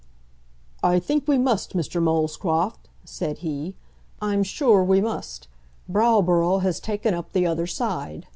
"I think we must, Mr. Molescroft," said he; "I'm sure we must. Browborough has taken up the other side.